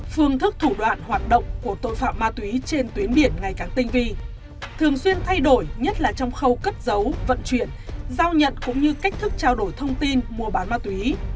phương thức thủ đoạn hoạt động của tội phạm ma túy trên tuyến biển ngày càng tinh vi thường xuyên thay đổi nhất là trong khâu cất giấu vận chuyển giao nhận cũng như cách thức trao đổi thông tin mua bán ma túy